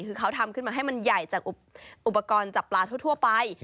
คือเขาทำขึ้นมาให้มันใหญ่จากอุปกรณ์จับปลาทั่วไป